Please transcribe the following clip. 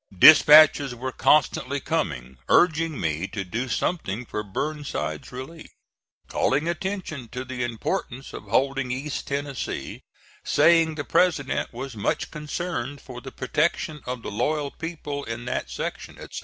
Dispatches were constantly coming, urging me to do something for Burnside's relief; calling attention to the importance of holding East Tennessee; saying the President was much concerned for the protection of the loyal people in that section, etc.